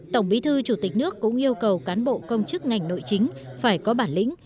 tổng bí thư chủ tịch nước cũng yêu cầu cán bộ công chức ngành nội chính phải có bản lĩnh